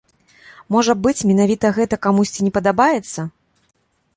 Можа быць, менавіта гэта камусьці не падабаецца?